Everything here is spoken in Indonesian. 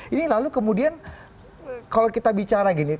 ini lalu kemudian kalau kita bicara gini